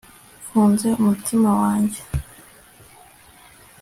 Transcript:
mfunze umutima wanjye